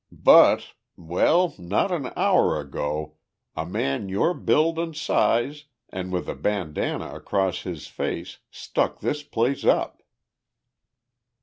But ... Well, not an hour ago a man your build an' size an' with a bandana across his face stuck this place up."